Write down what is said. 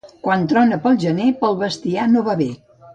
Quan trona pel gener, per al bestiar no va bé.